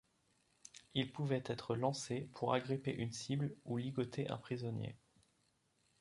Il pouvait être lancé pour agripper une cible ou ligoter un prisonnier.